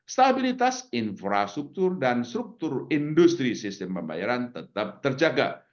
stabilitas infrastruktur dan struktur industri sistem pembayaran tetap terjaga